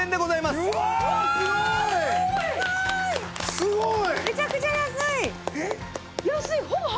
すごい！